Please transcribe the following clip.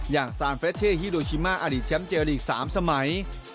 อย่างซานเฟรชเช่ฮิโรชิมาอดีตแชมป์เจลีก๓สมัย